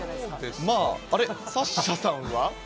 あれ、サッシャさんは？